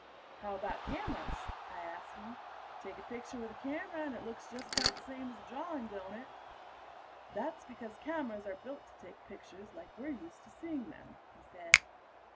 "How about cameras?" I asked him. "Take a picture with a camera and it looks just about the same as a drawing, don't it?" "That's because cameras are built to take pictures like we're used to seeing them," he said.